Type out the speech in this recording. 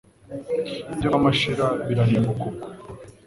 Ibyo kwa Mashira birarimbuka ubwo